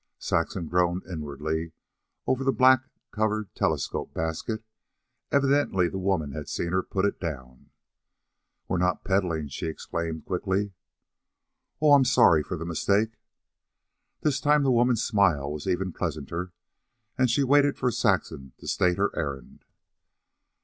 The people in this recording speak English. Saxon groaned inwardly over the black covered telescope basket. Evidently the woman had seen her put it down. "We're not peddling," she explained quickly. "Oh, I am sorry for the mistake." This time the woman's smile was even pleasanter, and she waited for Saxon to state her errand.